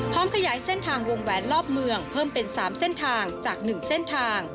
ขยายเส้นทางวงแหวนรอบเมืองเพิ่มเป็น๓เส้นทางจาก๑เส้นทาง